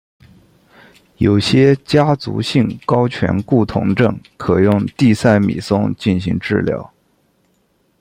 有些家族性高醛固酮症可用地塞米松进行治疗。